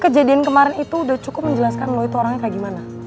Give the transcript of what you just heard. kejadian kemarin itu udah cukup menjelaskan loh itu orangnya kayak gimana